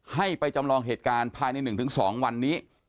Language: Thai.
ให้ไปจำลองเหตุการณ์ภายใน๑๒วันนี้